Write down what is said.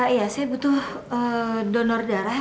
iya saya butuh donor darah